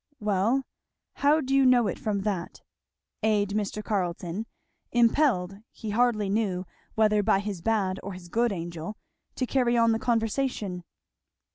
"Well, how do you know it from that?" aid Mr. Carleton, impelled, he hardly knew whether by his bad or his good angel, to carry on the conversation.